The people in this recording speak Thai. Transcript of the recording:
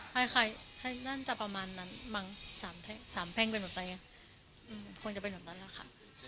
ใครใครใครนั่นจะประมาณนั้นมั้งสามแพงสามแพงเป็นเหมือนตัวเองอืมคงจะเป็นเหมือนตัวเองค่ะ